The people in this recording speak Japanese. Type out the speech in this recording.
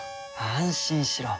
安心しろ。